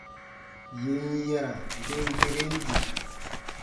Yè n yara ben geren di.